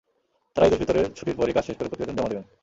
তাঁরা ঈদুল ফিতরের ছুটির পরই কাজ শেষ করে প্রতিবেদন জমা দেবেন।